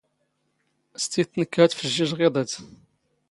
ⵙ ⵜⵉⴷⵜ ⵏⴽⴽ ⵀⴰⵜ ⴼⵊⵊⵉⵊⵖ ⵉⴹ ⴰⴷ.